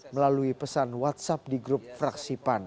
melalui pesan whatsapp di grup fraksipan